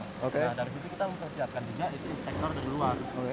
nah dari situ kita mempersiapkan juga itu inspektor dari luar